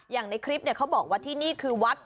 ในคลิปเขาบอกว่าที่นี่คือวัด